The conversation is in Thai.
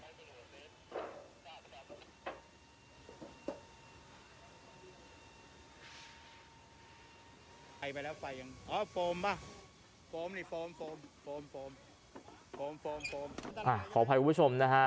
ไฟไปแล้วไฟยังโฟมป่ะโฟมโฟมโฟมโฟมโฟมโฟมอะขออภัยคุณผู้ชมนะฮะ